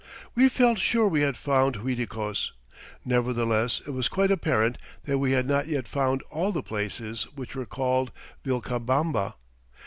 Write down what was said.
We felt sure we had found Uiticos; nevertheless it was quite apparent that we had not yet found all the places which were called Vilcabamba.